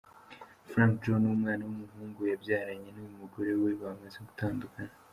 Frankie Joe n’umwana w’umuhungu yabyaranye n’uyu mugore we bamaze gutandukana.